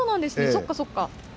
そっかそっか。